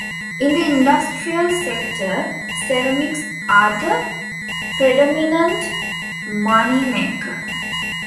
In the industrial sector, ceramics are the predominant money-maker.